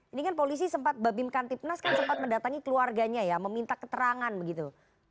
ini kan polisi sempat babim kantipnas kan sempat mendatangi keluarganya ya meminta keterangan begitu